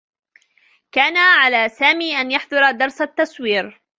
كان على سامي أن يحضر درس التّصوير.